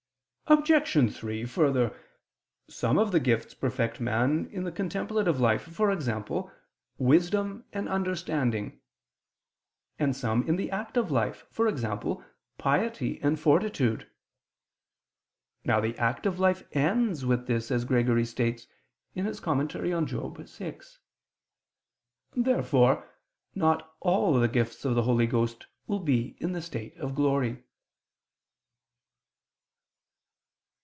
Obj. 3: Further, some of the gifts perfect man in the contemplative life, e.g. wisdom and understanding: and some in the active life, e.g. piety and fortitude. Now the active life ends with this as Gregory states (Moral. vi). Therefore not all the gifts of the Holy Ghost will be in the state of glory.